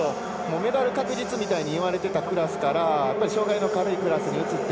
メダル確実みたいに言われていたクラスから障がいの軽いクラスに移って。